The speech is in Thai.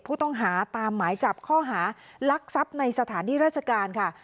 ผู้ต้องหาตามหมายจับข้อหารักทรัพย์ในสถานที่ราชการค่ะ